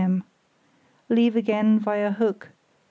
m. Leave again via Hook 8.